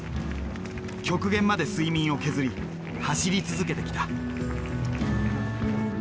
極限まで睡眠を削り走り続けてきた。